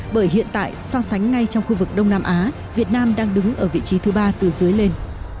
bởi hiện tại so sánh ngay trong khu vực đông nam á việt nam đang đứng ở vị trí thứ ba từ dưới lên